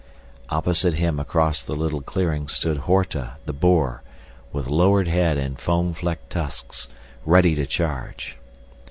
Opposite him across the little clearing stood Horta, the boar, with lowered head and foam flecked tusks, ready to charge.